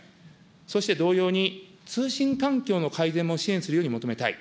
そして同様に、通信環境の改善も支援するよう求めたい。